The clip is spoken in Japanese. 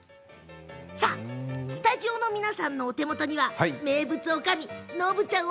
スタジオの皆さんのお手元には名物おかみ、のぶちゃん